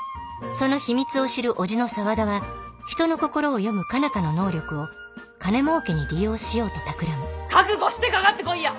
その秘密を知る叔父の沢田は人の心を読む佳奈花の能力を金もうけに利用しようとたくらむ覚悟してかかってこいや！